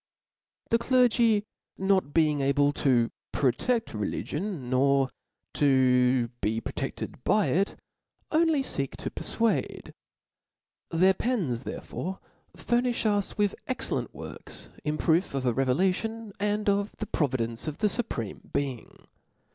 The clergy not being able to protcQ: religion, nor to be protedbed by it, only feek to perfuade : their pens, therefore, furnifh us with excellent works in proof of a revelation, and of the providence of the Supreme Being.